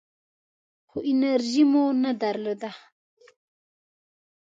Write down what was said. خو انرژي مو نه درلوده .